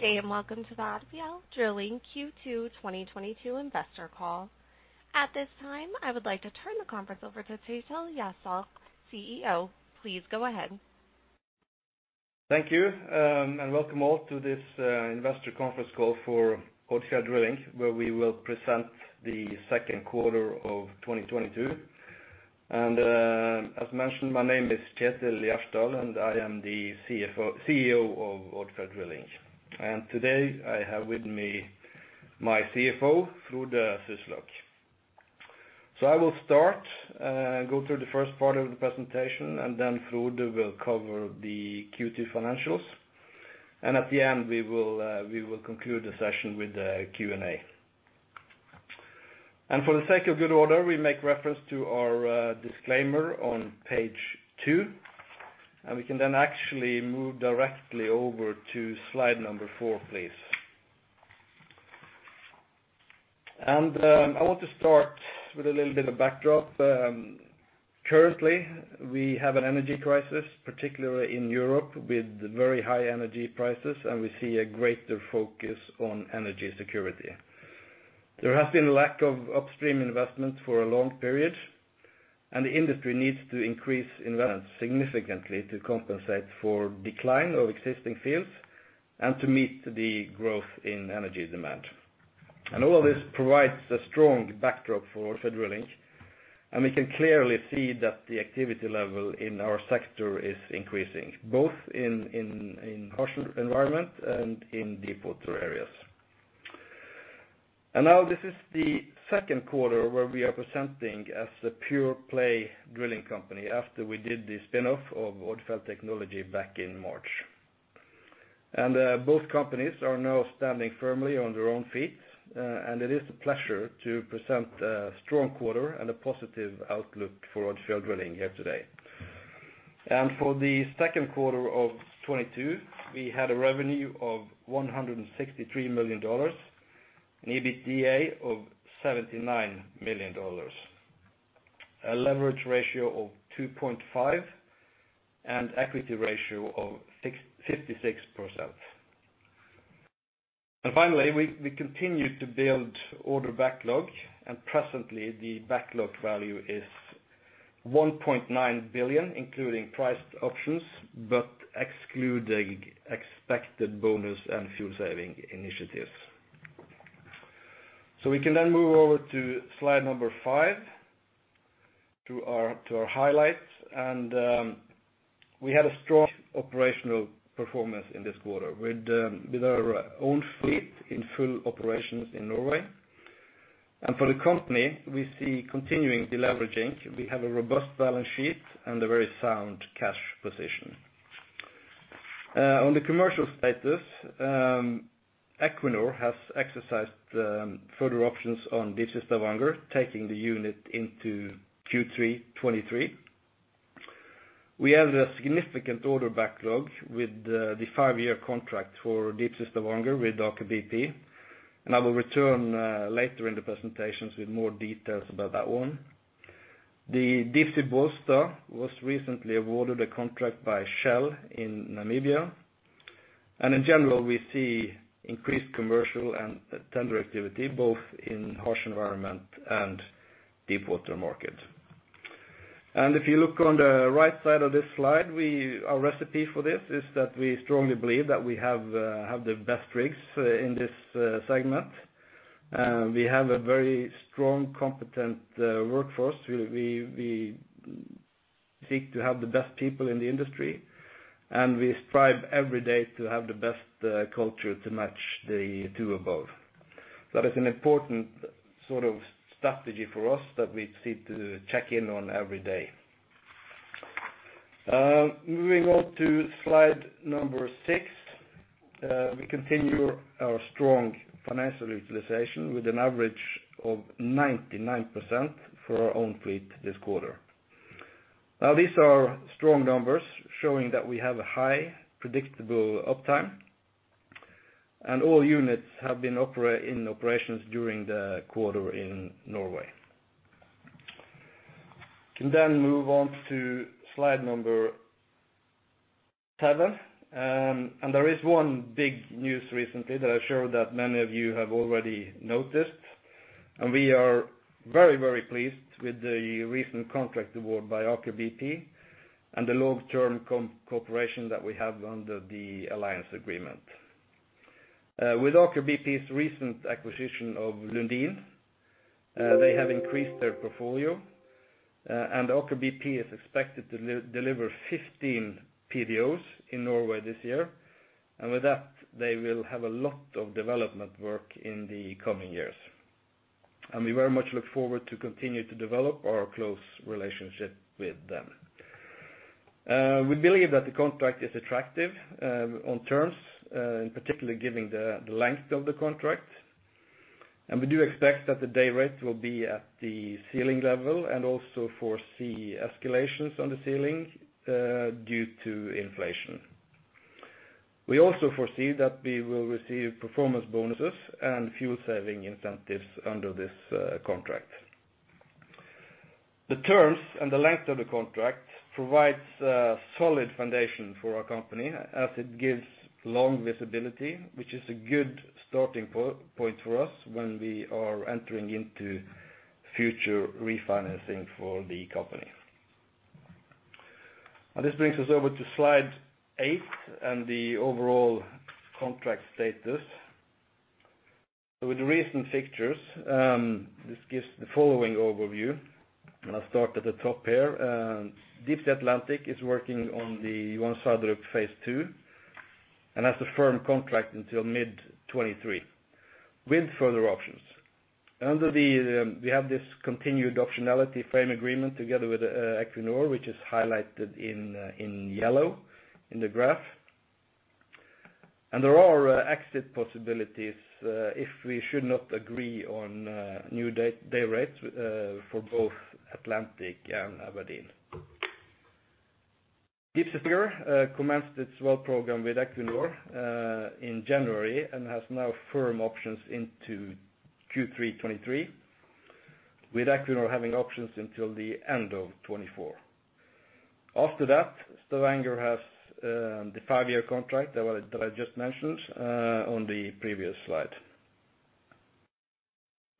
Good day and welcome to the Odfjell Drilling Q2 2022 investor call. At this time, I would like to turn the conference over to Kjetil Gjersdal, CEO. Please go ahead. Thank you, and welcome all to this investor conference call for Odfjell Drilling, where we will present the second quarter of 2022. As mentioned, my name is Kjetil Gjersdal, and I am the CEO of Odfjell Drilling. Today, I have with me my CFO, Frode Syslak. I will start, go through the first part of the presentation, and then Frode will cover the Q2 financials. At the end, we will conclude the session with a Q&A. For the sake of good order, we make reference to our disclaimer on page two, and we can then actually move directly over to slide number four, please. I want to start with a little bit of backdrop. Currently, we have an energy crisis, particularly in Europe, with very high energy prices, and we see a greater focus on energy security. There has been a lack of upstream investment for a long period, and the industry needs to increase investment significantly to compensate for decline of existing fields and to meet the growth in energy demand. All of this provides a strong backdrop for Odfjell Drilling, and we can clearly see that the activity level in our sector is increasing, both in harsh environment and in deepwater areas. Now this is the second quarter where we are presenting as a pure play drilling company after we did the spin-off of Odfjell Technology back in March. Both companies are now standing firmly on their own feet, and it is a pleasure to present a strong quarter and a positive outlook for Odfjell Drilling here today. For the second quarter of 2022, we had a revenue of $163 million, an EBITDA of $79 million, a leverage ratio of 2.5, and an equity ratio of 56%. Finally, we continue to build order backlog, and presently the backlog value is $1.9 billion, including priced options, but excluding expected bonus and fuel-saving initiatives. We can then move over to slide number five, to our highlights. We had a strong operational performance in this quarter with our own fleet in full operations in Norway. For the company, we see continuing deleveraging. We have a robust balance sheet and a very sound cash position. On the commercial status, Equinor has exercised further options on Deepsea Stavanger, taking the unit into Q3 2023. We have a significant order backlog with the five-year contract for Deepsea Stavanger with Aker BP, and I will return later in the presentations with more details about that one. The Deepsea Bollsta was recently awarded a contract by Shell in Namibia. In general, we see increased commercial and tender activity both in harsh environment and deepwater market. If you look on the right side of this slide, our recipe for this is that we strongly believe that we have the best rigs in this segment. We have a very strong, competent workforce. We seek to have the best people in the industry, and we strive every day to have the best culture to match the two above. That is an important sort of strategy for us that we seek to check in on every day. Moving on to slide number six. We continue our strong financial utilization with an average of 99% for our own fleet this quarter. Now, these are strong numbers showing that we have a high predictable uptime. All units have been in operations during the quarter in Norway. Can move on to slide number seven. There is one big news recently that I'm sure that many of you have already noticed. We are very, very pleased with the recent contract award by Aker BP and the long-term corporation that we have under the alliance agreement. With Aker BP's recent acquisition of Lundin Energy, they have increased their portfolio, and Aker BP is expected to deliver 15 PDOs in Norway this year. With that, they will have a lot of development work in the coming years. We very much look forward to continue to develop our close relationship with them. We believe that the contract is attractive on terms, and particularly given the length of the contract. We do expect that the day rate will be at the ceiling level and also foresee escalations on the ceiling due to inflation. We also foresee that we will receive performance bonuses and fuel-saving incentives under this contract. The terms and the length of the contract provides a solid foundation for our company as it gives long visibility, which is a good starting point for us when we are entering into future refinancing for the company. This brings us over to slide eight and the overall contract status. With the recent fixtures, this gives the following overview. I'll start at the top here. Deepsea Atlantic is working on the Johan Sverdrup phase III, and has a firm contract until mid-2023 with further options. We have this continued optionality frame agreement together with Equinor, which is highlighted in yellow in the graph. There are exit possibilities, if we should not agree on new day rates for both Atlantic and Aberdeen. Deepsea Stavanger commenced its well program with Equinor in January and has now firm options into Q3 2023 with Equinor having options until the end of 2024. After that, Stavanger has the five-year contract that I just mentioned on the previous slide.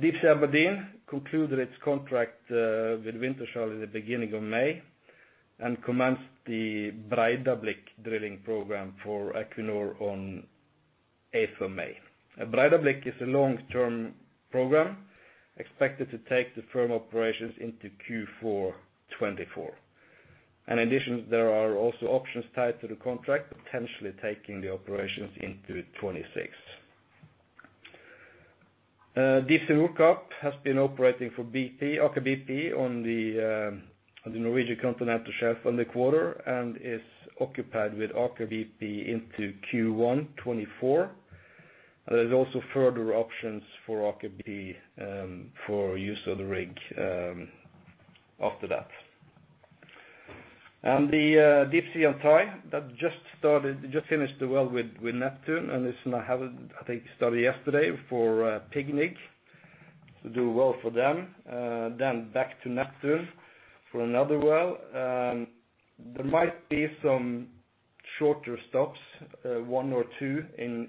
Deepsea Aberdeen concluded its contract with Wintershall in the beginning of May and commenced the Breidablik drilling program for Equinor on eighth of May. Breidablik is a long-term program expected to take the firm operations into Q4 2024. In addition, there are also options tied to the contract, potentially taking the operations into 2026. Deepsea Mira has been operating for BP, Aker BP on the Norwegian continental shelf in the quarter and is occupied with Aker BP into Q1 2024. There's also further options for Aker BP for use of the rig after that. The Deepsea Atlantic that just finished the well with Neptune and is now headed, I think, started yesterday for Equinor to do a well for them, then back to Neptune for another well. There might be some shorter stops one or two in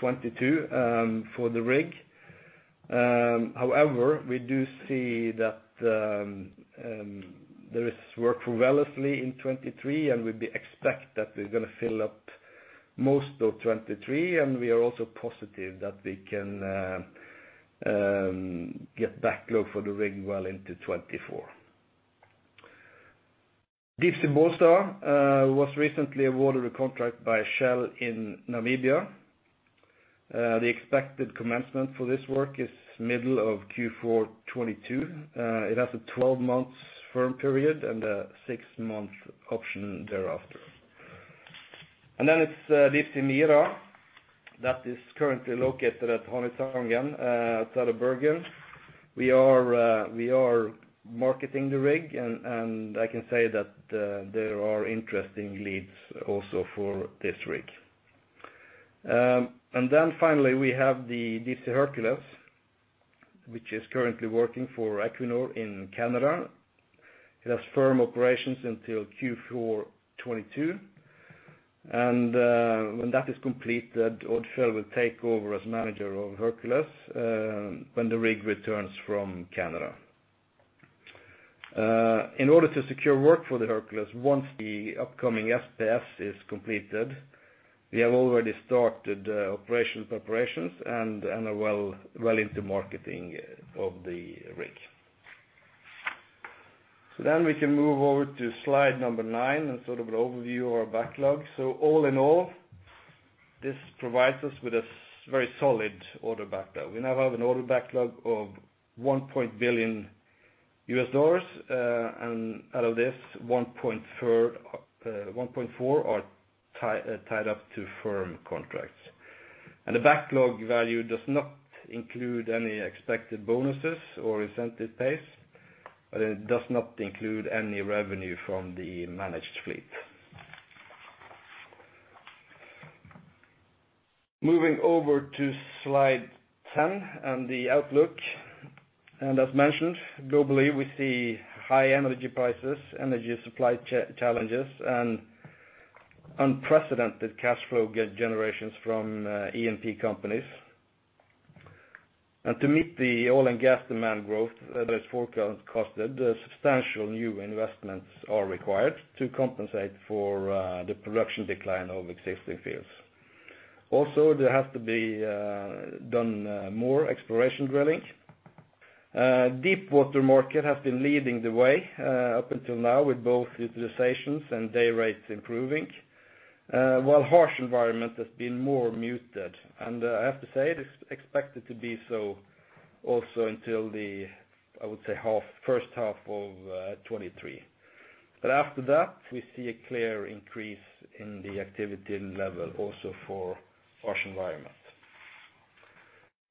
2022 for the rig. However, we do see that there is work for us in 2023, and we expect that we're gonna fill up most of 2023. We are also positive that we can get backlog for the rig well into 2024. Deepsea Bollsta was recently awarded a contract by Shell in Namibia. The expected commencement for this work is middle of Q4 2022. It has a 12 months firm period and a six-month option thereafter. It's Deepsea Mira that is currently located at Hanøytangen, south of Bergen. We are marketing the rig, and I can say that there are interesting leads also for this rig. Finally, we have the Deepsea Hercules, which is currently working for Equinor in Canada. It has firm operations until Q4 2022. When that is completed, Odfjell will take over as manager of Hercules when the rig returns from Canada. In order to secure work for the Hercules once the upcoming SPS is completed, we have already started operation preparations and are well into marketing of the rig. We can move over to slide number nine and sort of an overview of our backlog. All in all, this provides us with a very solid order backlog. We now have an order backlog of $1 billion. Out of this, $1.4 billion are tied up to firm contracts. The backlog value does not include any expected bonuses or incentive pays, and it does not include any revenue from the managed fleet. Moving over to slide 10 and the outlook. As mentioned, globally, we see high energy prices, energy supply challenges, and unprecedented cash flow generations from E&P companies. To meet the oil and gas demand growth that is forecasted, substantial new investments are required to compensate for the production decline of existing fields. Also, there has to be done more exploration drilling. The deepwater market has been leading the way up until now, with both utilizations and day rates improving, while harsh environment has been more muted. I have to say it is expected to be so also until the first half of 2023. After that, we see a clear increase in the activity level also for harsh environment.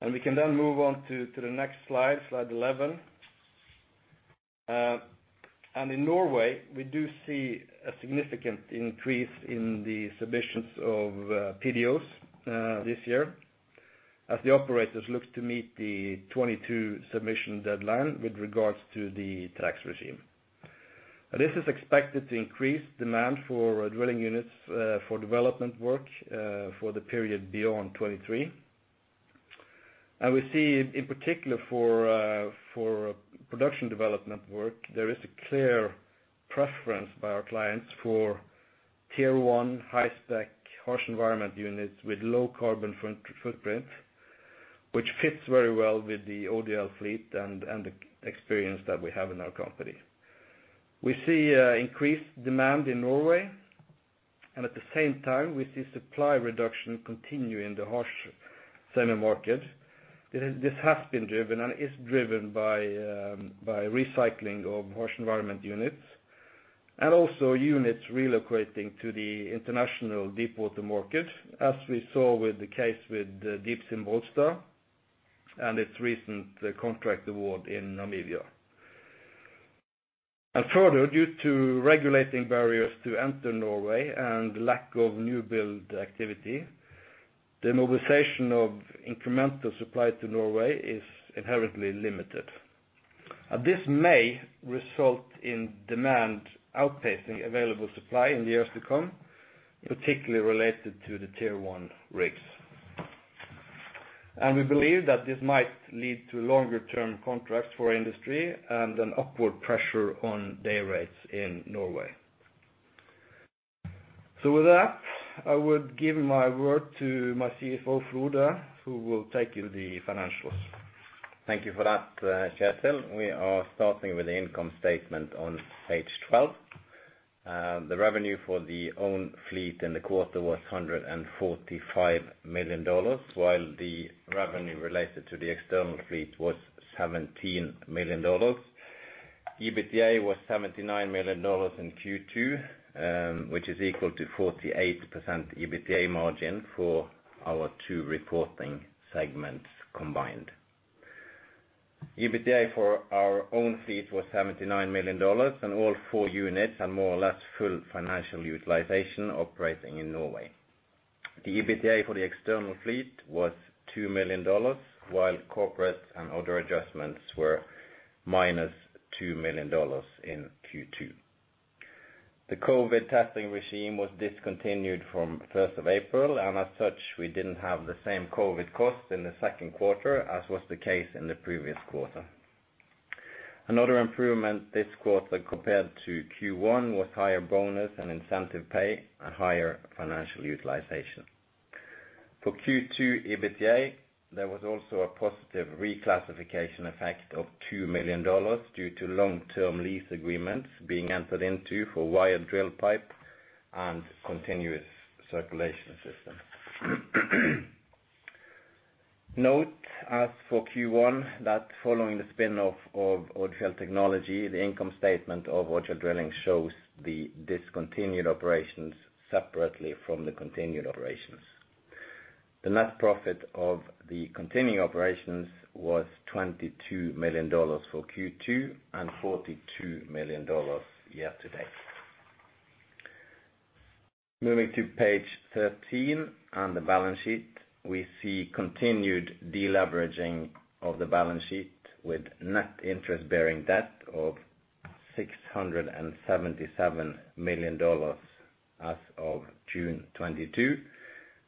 We can then move on to the next slide 11. In Norway, we do see a significant increase in the submissions of PDOs this year. As the operators look to meet the 2022 submission deadline with regards to the tax regime. This is expected to increase demand for drilling units for development work for the period beyond 2023. We will see in particular for production development work, there is a clear preference by our clients for tier one high spec harsh environment units with low carbon footprint, which fits very well with the ODL fleet and experience that we have in our company. We see increased demand in Norway, and at the same time, we see supply reduction continue in the harsh semi market. This has been driven and is driven by recycling of harsh environment units. Also units relocating to the international deep water market, as we saw with the case with Deepsea Bollsta and its recent contract award in Namibia. Further, due to regulatory barriers to enter Norway and lack of new build activity, the mobilization of incremental supply to Norway is inherently limited. This may result in demand outpacing available supply in the years to come, particularly related to the tier one rigs. We believe that this might lead to longer term contracts for industry and an upward pressure on day rates in Norway. With that, I would give my word to my CFO, Frode, who will take you through the financials. Thank you for that, Kjetil. We are starting with the income statement on page 12. The revenue for the own fleet in the quarter was $145 million, while the revenue related to the external fleet was $17 million. EBITDA was $79 million in Q2, which is equal to 48% EBITDA margin for our two reporting segments combined. EBITDA for our own fleet was $79 million, and all four units had more or less full financial utilization operating in Norway. The EBITDA for the external fleet was $2 million, while corporate and other adjustments were -$2 million in Q2. The COVID testing regime was discontinued from 1st of April, and as such, we didn't have the same COVID costs in the second quarter as was the case in the previous quarter. Another improvement this quarter compared to Q1 was higher bonus and incentive pay and higher financial utilization. For Q2 EBITDA, there was also a positive reclassification effect of $2 million due to long-term lease agreements being entered into for wired drill pipe and continuous circulation system. Note, as for Q1, that following the spin-off of Odfjell Technology, the income statement of Odfjell Drilling shows the discontinued operations separately from the continued operations. The net profit of the continuing operations was $22 million for Q2 and $42 million year-to-date. Moving to page 13 on the balance sheet, we see continued deleveraging of the balance sheet with net interest-bearing debt of $677 million as of June 2022,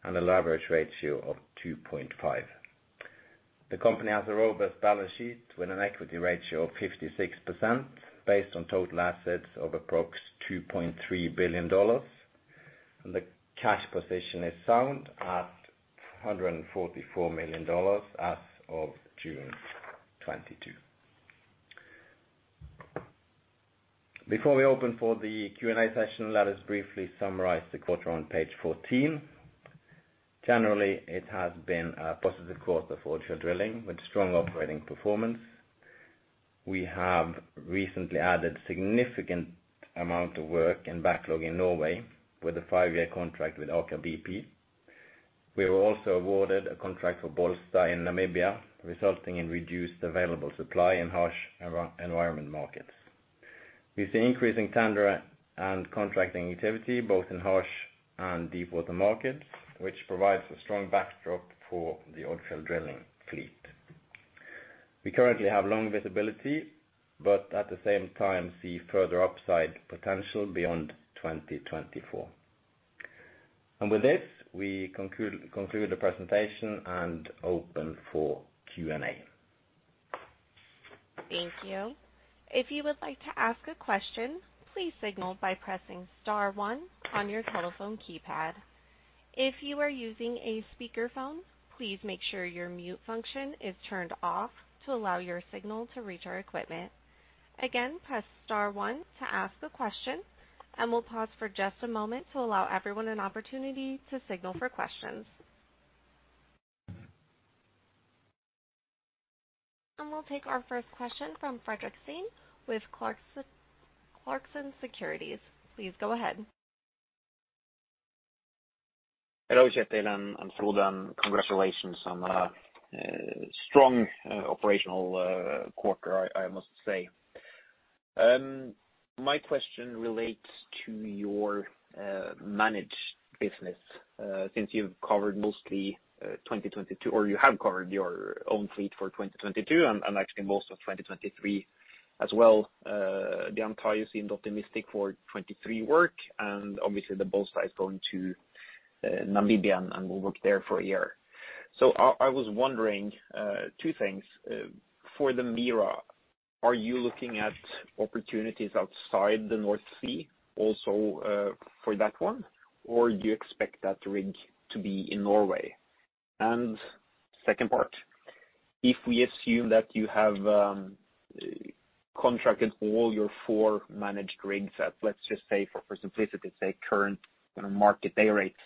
and a leverage ratio of 2.5. The company has a robust balance sheet with an equity ratio of 56% based on total assets of approximately $2.3 billion. The cash position is sound at $144 million as of June 2022. Before we open for the Q&A session, let us briefly summarize the quarter on page 14. Generally, it has been a positive quarter for Odfjell Drilling with strong operating performance. We have recently added significant amount of work and backlog in Norway with a five-year contract with Aker BP. We were also awarded a contract for Deepsea Bollsta in Namibia, resulting in reduced available supply in harsh environment markets. We see increasing tender and contracting activity both in harsh and deepwater markets, which provides a strong backdrop for the Odfjell Drilling fleet. We currently have long visibility, but at the same time see further upside potential beyond 2024. With this, we conclude the presentation and open for Q&A. Thank you. If you would like to ask a question, please signal by pressing star one on your telephone keypad. If you are using a speakerphone, please make sure your mute function is turned off to allow your signal to reach our equipment. Again, press star one to ask a question, and we'll pause for just a moment to allow everyone an opportunity to signal for questions. We'll take our first question from Fredrik Stene with Clarksons Securities. Please go ahead. Hello, Kjetil and Frode, and congratulations on a strong operational quarter, I must say. My question relates to your managed business, since you've covered mostly 2022 or you have covered your own fleet for 2022 and actually most of 2023 as well. Everything seemed optimistic for 2023 work, and obviously the Bollsta is going to Namibia and will work there for a year. I was wondering two things. For the Mira, are you looking at opportunities outside the North Sea also for that one? Or do you expect that rig to be in Norway? Second part, if we assume that you have contracted all your four managed rigs, let's just say for simplicity, say, current kind of market day rates,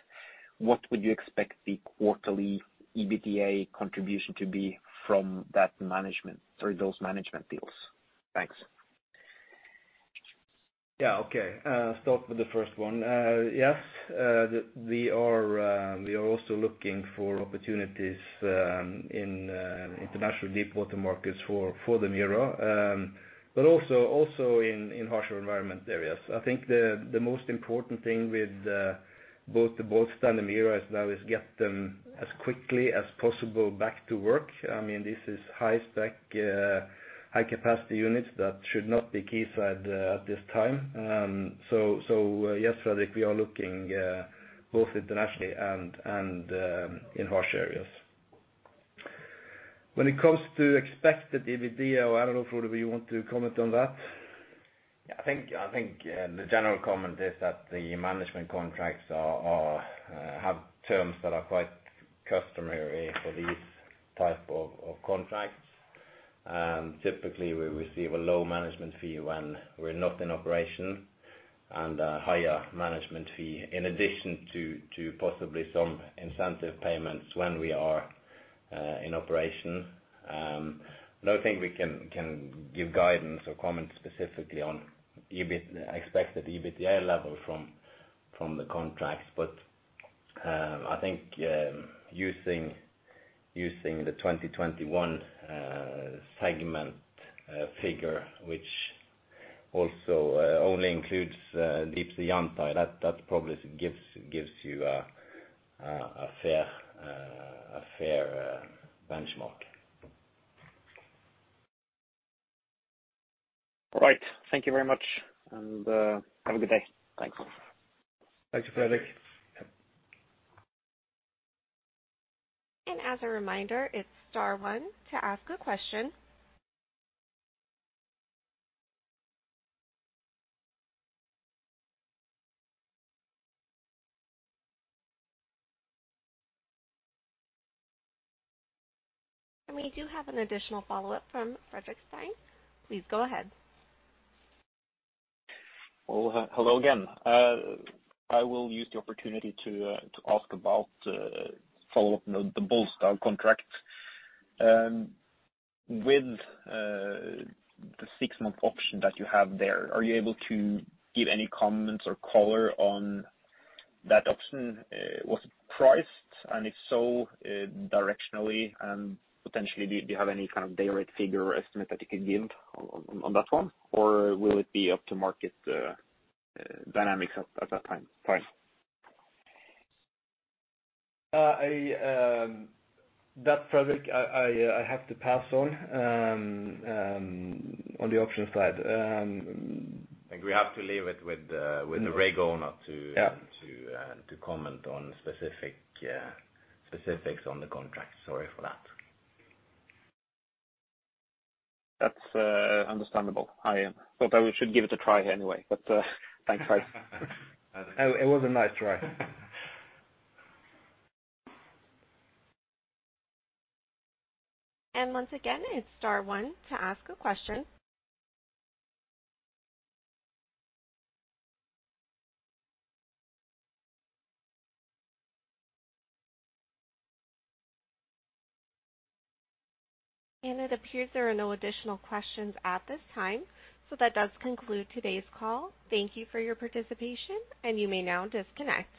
what would you expect the quarterly EBITDA contribution to be from that management or those management deals? Thanks. Yeah. Okay. Start with the first one. Yes, we are also looking for opportunities in international deep water markets for the Mira, but also in harsher environment areas. I think the most important thing with both the Bollsta and the Mira is to get them as quickly as possible back to work. I mean, this is high spec, high capacity units that should not be quayside at this time. Yes, Fredrik, we are looking both internationally and in harsh areas. When it comes to expected EBITDA, I don't know, Frode, if you want to comment on that. Yeah, I think the general comment is that the management contracts have terms that are quite customary for these type of contracts. Typically, we receive a low management fee when we're not in operation and a higher management fee in addition to possibly some incentive payments when we are in operation. I don't think we can give guidance or comment specifically on expected EBITDA level from the contracts. I think using the 2021 segment figure, which also only includes Deepsea Yantai, that probably gives you a fair benchmark. All right. Thank you very much, and, have a good day. Thanks. Thanks, Fredrik. Yep. As a reminder, it's star one to ask a question. We do have an additional follow-up from Fredrik Stene. Please go ahead. Well, hello again. I will use the opportunity to ask about follow-up on the Bollsta contract. With the six-month option that you have there, are you able to give any comments or color on that option? Was it priced, and if so, directionally and potentially, do you have any kind of day rate figure or estimate that you can give on that one? Or will it be up to market dynamics at that time? Sorry. Fredrik, I have to pass on the option side. I think we have to leave it with the rig owner to Yeah... to comment on specific specifics on the contract. Sorry for that. That's understandable. I thought I should give it a try anyway, but thanks, guys. It was a nice try. Once again, it's star one to ask a question. It appears there are no additional questions at this time, so that does conclude today's call. Thank you for your participation, and you may now disconnect.